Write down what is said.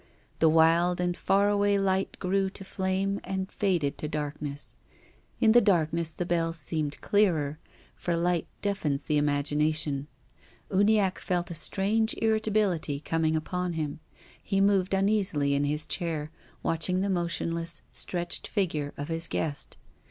The wild and far away light grew to flame and faded to darkness. In the darkness the bells seemed clearer, for light deafens the imag ination. Uniacke felt a strange irritability coming upon him. He moved uneasily in his chair, watching the motionless, stretched figure of his guest.